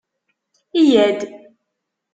Yya-d!